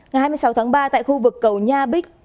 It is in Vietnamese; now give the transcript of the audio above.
ngày hai mươi sáu tháng ba tại khu vực cầu nha bích